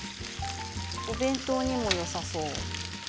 お弁当にもよさそう。